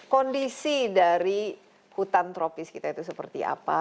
kondisi dari hutan tropis kita itu seperti apa